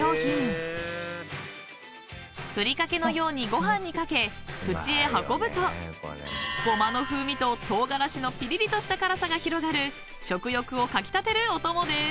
［振り掛けのようにご飯に掛け口へ運ぶとごまの風味と唐辛子のピリリとした辛さが広がる食欲をかき立てるおともです］